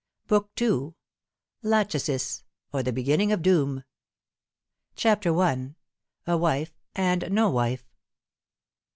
oo t LACHESIS ; OR THE BEGINNING OF DOOM. 1 j CHAPTER I. A WIFE AND NO WIFE.